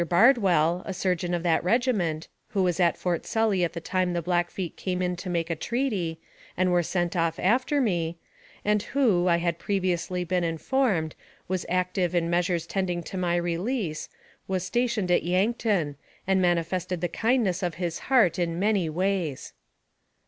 Bardwell, a surgeon of that regiment, who was at Fort Sully at the time the Blackfeet came in to make a treaty, and were sent off after me, and who, I had previously been AMONG THE SIOUX INDIANS. 231 informed, was active in measures tending to my re lease, was stationed at Yankton, and manifested the kindness of his heart in many ways.